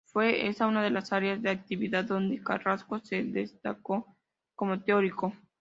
Fue esta una de las áreas de actividad donde Carrasco se destacó como teórico.